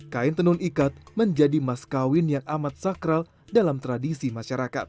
kain tenun ikat menjadi maskawin yang amat sakral dalam tradisi masyarakat